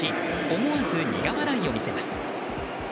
思わず苦笑いを見せます。